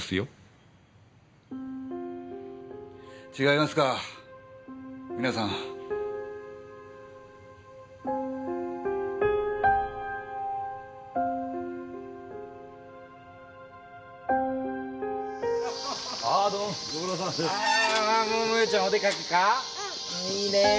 いいねぇ。